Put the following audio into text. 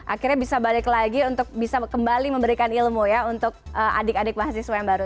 akhirnya bisa balik lagi untuk bisa kembali memberikan ilmu ya untuk adik adik mahasiswa yang baru